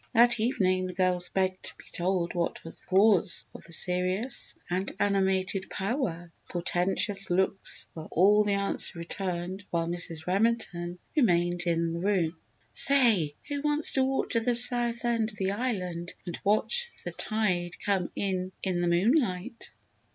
That evening the girls begged to be told what was the cause of the serious and animated pow wow. Portentous looks were all the answer returned while Mrs. Remington remained in the room. "Say, who wants to walk to the south end of the island and watch the tide come in in the moonlight?"